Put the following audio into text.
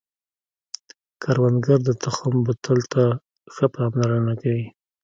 کروندګر د تخم بوتل ته ښه پاملرنه کوي